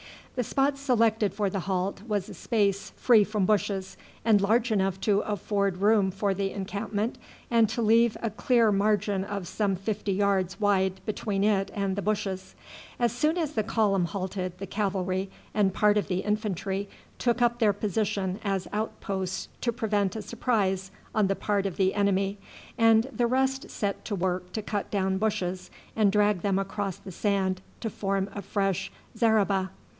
The spot selected for the halt was a space free from bushes, and large enough to afford room for the encampment and to leave a clear margin of some fifty yards wide between it and the bushes. As soon as the column halted the cavalry and part of the infantry took up their position as outposts to prevent a surprise on the part of the enemy, and the rest set to work to cut down bushes and drag them across the sand to form a fresh zareba.